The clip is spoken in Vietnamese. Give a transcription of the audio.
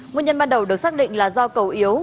nguyên nhân ban đầu được xác định là do cầu yếu